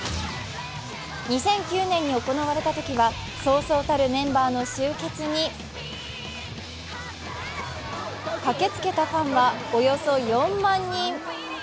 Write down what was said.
２００９年に行われたときはそうそうたるメンバーの集結に駆けつけたファンはおよそ４万人。